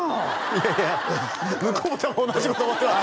いやいや向こうも多分同じこと思ってます